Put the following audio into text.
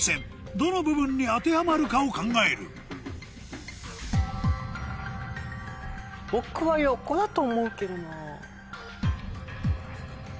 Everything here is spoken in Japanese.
どの部分に当てはまるかを考える僕は横だと思うけどな。